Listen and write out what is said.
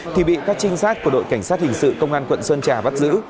thì bị các trinh sát của đội cảnh sát hình sự công an quận sơn trà bắt giữ